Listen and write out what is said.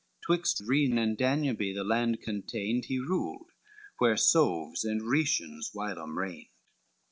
'Twixt Rhene and Danubie the land contained He ruled, where Swaves and Rhetians whilom reigned.